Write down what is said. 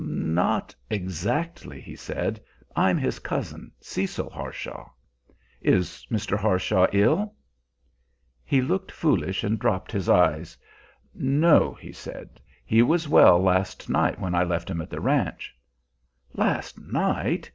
"Not exactly," he said. "I'm his cousin, Cecil Harshaw." "Is Mr. Harshaw ill?" He looked foolish, and dropped his eyes. "No," said he. "He was well last night when I left him at the ranch." Last night!